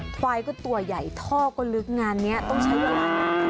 ควายก็ตัวใหญ่ท่อก็ลึกงานนี้ต้องใช้เวลานาน